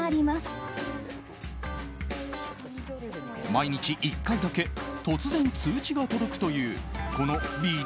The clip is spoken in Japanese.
毎日１回だけ突然通知が届くというこの「ＢｅＲｅａｌ」。